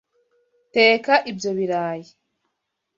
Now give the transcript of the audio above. teka ibyo birayi.